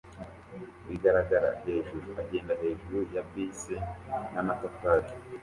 bigaragara hejuru agenda hejuru ya bisi n'amatafari